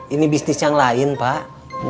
ini bisnis yang lain pak